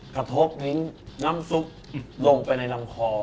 กระทบทิ้งน้ำซุปลงไปในลำคอ